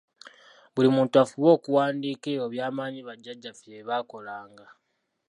Buli muntu afube okuwandiika ebyo byamanyi bajajjaffe bye baakolanga.